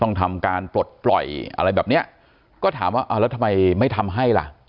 ต้องทำการปลดปล่อยอะไรแบบเนี้ยก็ถามว่าอ่าแล้วทำไมไม่ทำให้ล่ะ